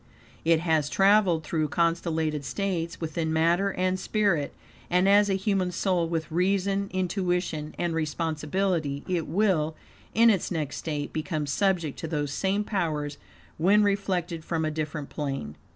It has traveled through constellated states within matter and spirit, and, as a human soul, with reason, intuition, and responsibility, it will, in its next state, become subject to those same powers when reflected from a different plane.